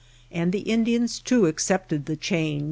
And the Indians, too, accepted the change.